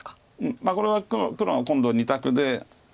これは黒が今度２択で。